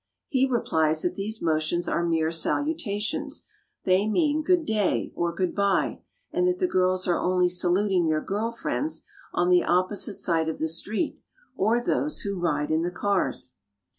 He replies that these motions are mere salutations — they mean " Good day " or " Good by "— and that the girls are only saluting their girl friends on the opposite side of the street or those who ride by in the cars.